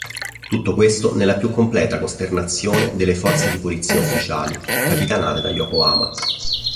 Tutto questo nella più completa costernazione delle forze di polizia ufficiali capitanate da Yokoyama.